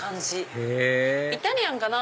へぇイタリアンかな？